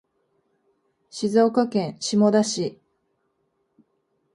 静岡県下田市